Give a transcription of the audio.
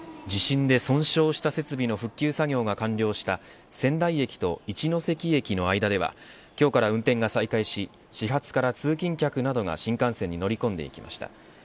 地震で損傷した設備の復旧作業が完了した仙台駅と一ノ関駅の間では今日から運転が再開し始発から通勤客などが新幹線に乗り込んでいきました。